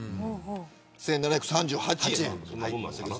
１７３８円。